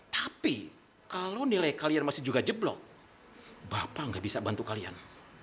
tapi kalau nilai kalian masih juga jeblok bapak gak bisa bantu kalian